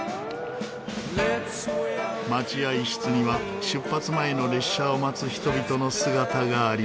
待合室には出発前の列車を待つ人々の姿がありました。